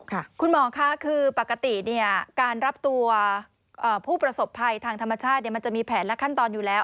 คุณหมอค่ะคือปกติการรับตัวผู้ประสบภัยทางธรรมชาติมันจะมีแผนและขั้นตอนอยู่แล้ว